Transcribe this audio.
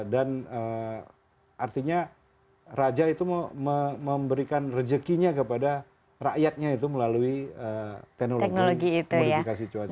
dan artinya raja itu memberikan rejekinya kepada rakyatnya itu melalui teknologi modifikasi cuaca itu